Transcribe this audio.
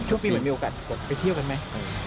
ช่วงปีใหม่มีโอกาสไปเที่ยวกันไหม